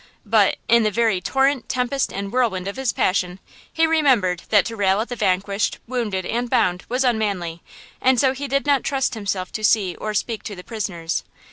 But "in the very torrent, tempest and whirlwind of his passion" he remembered that to rail at the vanquished, wounded and bound was unmanly, and so he did not trust himself to see or speak to the prisoners.